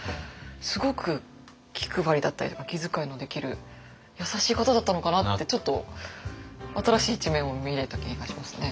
すごく気配りだったりとか気遣いのできる優しい方だったのかなってちょっと新しい一面を見れた気がしますね。